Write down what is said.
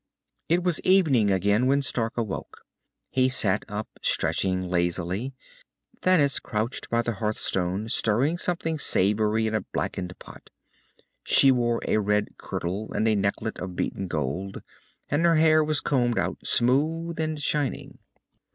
It was evening again when Stark awoke. He sat up, stretching lazily. Thanis crouched by the hearthstone, stirring something savory in a blackened pot. She wore a red kirtle and a necklet of beaten gold, and her hair was combed out smooth and shining.